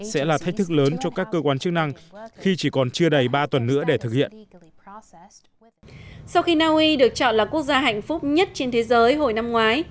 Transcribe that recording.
sau khi naui được chọn là quốc gia hạnh phúc nhất trên thế giới hồi năm ngoái